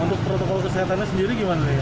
untuk protokol kesehatannya sendiri gimana ya